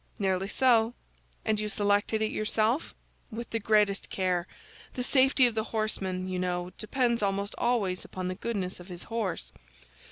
"Nearly so." "And you selected it yourself?" "With the greatest care. The safety of the horseman, you know, depends almost always upon the goodness of his horse."